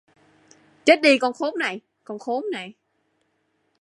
chết đi con khốn này con khốn này